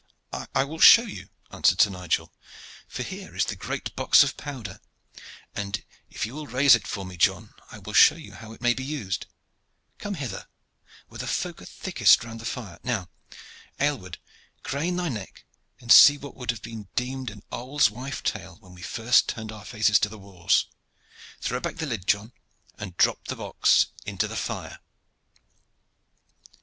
"I will show you," answered Sir Nigel; "for here is the great box of powder, and if you will raise it for me, John, I will show you how it may be used. Come hither, where the folk are thickest round the fire. Now, Aylward, crane thy neck and see what would have been deemed an old wife's tale when we first turned our faces to the wars. Throw back the lid, John, and drop the box into the fire!"